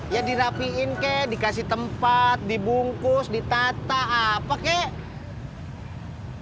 ya dirapiin kek dikasih tempat dibungkus ditata apa kek